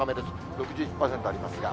６１％ありますが。